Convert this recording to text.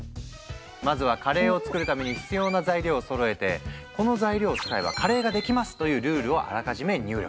まずはカレーを作るために必要な材料をそろえてこの材料を使えばカレーができますというルールをあらかじめ入力。